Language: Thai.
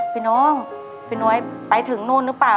พี่น้องพี่น้อยไปถึงนู่นหรือเปล่า